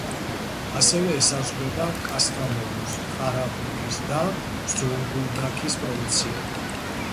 ასევე ესაზღვრება კასთამონუს, ყარაბუქის და ზონგულდაქის პროვინციები.